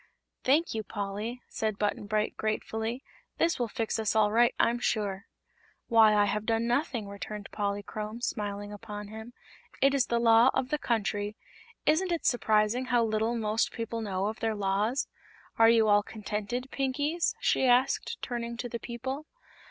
"Thank you, Polly," said Button Bright gratefully. "This will fix us all right, I'm sure." "Why, I have done nothing," returned Polychrome, smiling upon him; "it is the Law of the Country. Isn't it surprising how little most people know of their Laws? Are you all contented, Pinkies?" she asked, turning to the people.